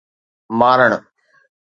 مارڻ